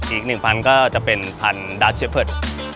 อีก๑พันธุ์ก็จะเป็นพันธุ์ดาชเชฟเผิด